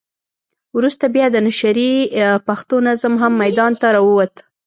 وروسته بیا د نشرې پښتو نظم هم ميدان ته راووت.